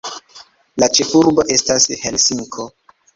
La ĉefurbo estas Helsinko.